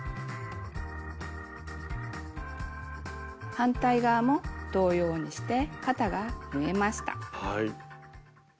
反対側も同様にして肩が縫えました。